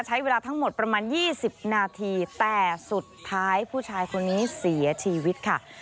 ใช้เวลาทั้งหมดประมาณ๒๐นาทีแต่สุดท้ายผู้ชายคนนี้เสียชีวิตค่ะ